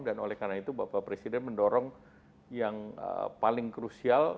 dan oleh karena itu bapak presiden mendorong yang paling krusial